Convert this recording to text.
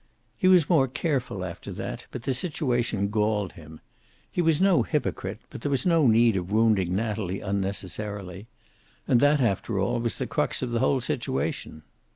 He was more careful after that, but the situation galled him. He was no hypocrite, but there was no need of wounding Natalie unnecessarily. And that, after all, was the crux of the whole situation.